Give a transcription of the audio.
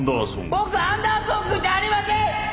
僕アンダーソンくんじゃありません！